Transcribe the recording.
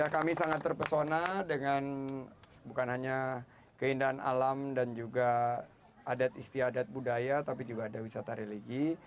kami sangat terpesona dengan bukan hanya keindahan alam dan juga adat istiadat budaya tapi juga ada wisata religi